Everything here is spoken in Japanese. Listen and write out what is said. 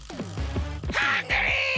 ハングリー！